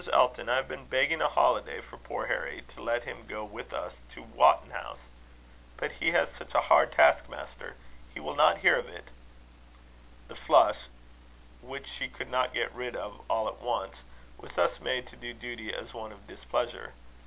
Elton, I have been begging a holiday for poor Harry, to let him go with us to Wotton House; but he has such a hard task master! He will not hear of it." The flush, which she could not get rid of all at once, was thus made to do duty as one of displeasure.